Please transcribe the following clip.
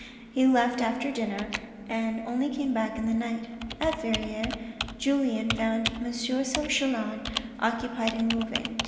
He left after dinner, and only came back in the night. At Verrieres Julien found M. Chelan occupied in moving.